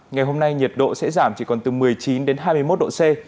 ngày hôm nay nhiệt độ sẽ giảm chỉ còn từ một mươi chín đến hai mươi một độ c